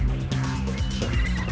baper apa dia